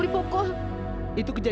dan kapan kamu dibuka